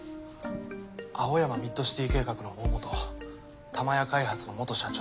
青山ミッドシティ計画の大本タマヤ開発の元社長